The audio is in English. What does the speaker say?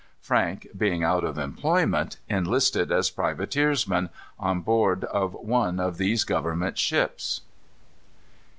Frank, being out of employment, enlisted as privateersman, on board of one of these Government ships.